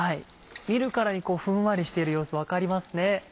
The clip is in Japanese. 見るからにふんわりしている様子分かりますね。